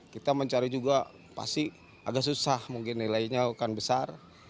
kita mencari juga pasti agak susah mungkin nilainya akan besar